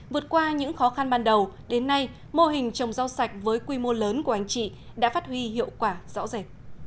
vượt qua những khó khăn ban đầu đến nay mô hình trồng rau sạch với quy mô lớn của anh chị đã phát huy hiệu quả rõ rệt